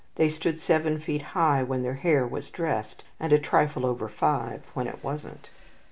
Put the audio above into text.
They stood seven feet high when their hair was dressed, and a trifle over five when it wasn't.